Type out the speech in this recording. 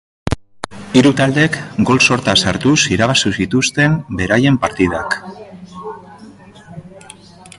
Hiru taldeek gol sorta sartuz irabazi zituzten beraien partidak.